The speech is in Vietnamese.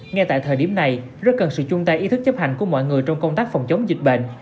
ngay tại thời điểm này rất cần sự chung tay ý thức chấp hành của mọi người trong công tác phòng chống dịch bệnh